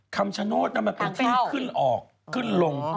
คำฉโนชน์นั้นมาเป็นที่ขึ้นออกขึ้นลง